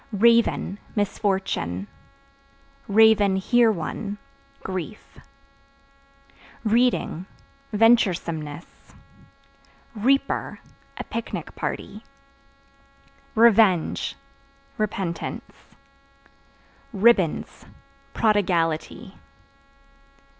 Raven Misfortune; (hear one) grief. Reading Venturesomeness. Reaper A picnic party. Revenge Repentance. Ribbons Prodigality.